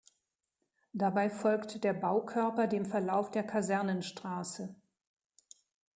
Dabei folgt der Baukörper dem Verlauf der Kasernenstraße.